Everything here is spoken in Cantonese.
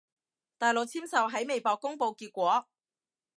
大陸簽售喺微博公佈結果